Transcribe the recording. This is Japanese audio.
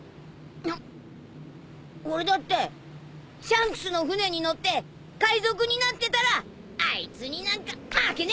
ぬっ俺だってシャンクスの船に乗って海賊になってたらあいつになんか負けねえ！